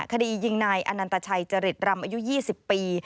คดียิงนายอนันตชัยจริตรำอายุ๒๐ปี